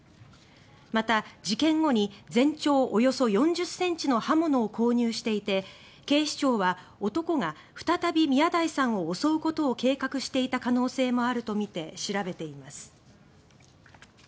また、事件後に全長およそ４０ｃｍの刃物を購入していて警視庁は男が再び宮台さんを襲うことを計画していた可能性もあるとみて調べています。